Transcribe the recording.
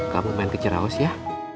kamu main ke ceraus ya